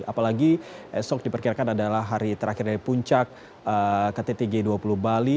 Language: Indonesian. apalagi esok diperkirakan adalah hari terakhir dari puncak kttg dua puluh bali